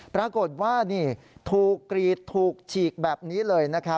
ปรากฏว่านี่ถูกกรีดถูกฉีกแบบนี้เลย